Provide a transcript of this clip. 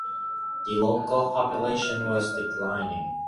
The local population was declining.